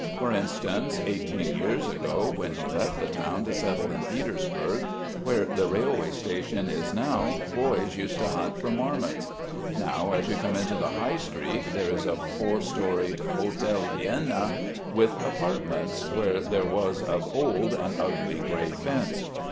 For instance, eighteen years ago, when he left the town to settle in Petersburg, where the railway station is now boys used to hunt for marmots: now as you come into the High Street there is a four storied "Hotel Vienna," with apartments, where there was of old an ugly grey fence.